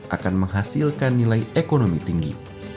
akan menghasilkan nilai ekonomi tinggi